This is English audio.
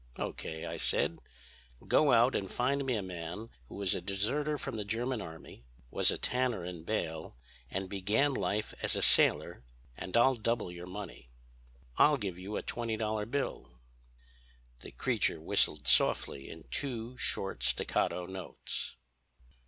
"'O. K.' I said. 'Go out and find me a man who is a deserter from the German Army, was a tanner in Bale and began life as a sailor, and I'll double your money—I'll give you a twenty dollar bill.' "The creature whistled softly in two short staccato notes.